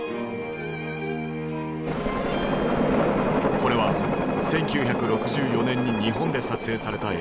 これは１９６４年に日本で撮影された映像。